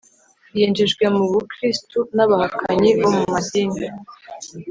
yinjijwe mu bukristo n’abahakanyi bo mu madini